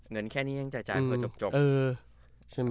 เงินแค่นี้ยังจะจายเพื่อจบ